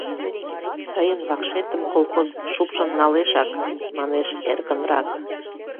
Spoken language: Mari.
— Тыйын вакшетым колхоз шупшын налешак, — манеш эркынрак.